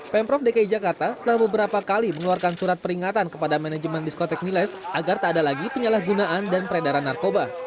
pemprov dki jakarta telah beberapa kali mengeluarkan surat peringatan kepada manajemen diskotek miles agar tak ada lagi penyalahgunaan dan peredaran narkoba